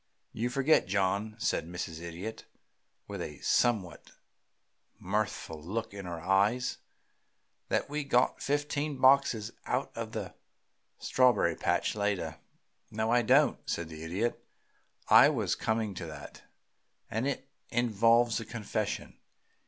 "You forget, John," said Mrs. Idiot, with a somewhat mirthful look in her eyes, "that we got fifteen boxes out of the strawberry patch later." "No, I don't," said the Idiot. "I was coming to that, and it involves a confession.